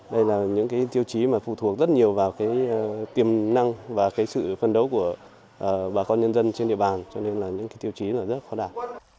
đây là những cái tiêu chí mà phụ thuộc rất nhiều vào cái tiềm năng và cái sự phân đấu của bà con nhân dân trên địa bàn cho nên là những cái tiêu chí là rất khó đạt